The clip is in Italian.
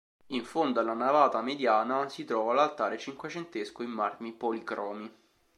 In fondo alla navata mediana, si trova l'altare cinquecentesco in marmi policromi.